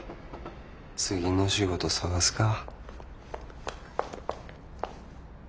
次の仕事探すか。